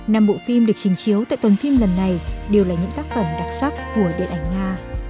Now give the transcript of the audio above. năm bộ phim được trình chiếu tại tuần phim lần này đều là những tác phẩm đặc sắc của điện ảnh nga